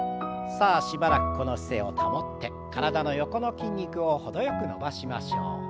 さあしばらくこの姿勢を保って体の横の筋肉を程よく伸ばしましょう。